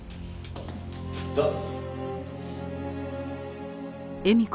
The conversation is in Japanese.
さあ。